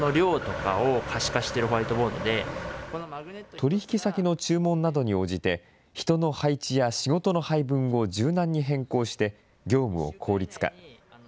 取引先の注文などに応じて、人の配置や仕事の配分を柔軟に変更して、業務を効率化。